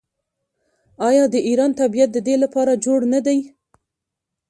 آیا د ایران طبیعت د دې لپاره جوړ نه دی؟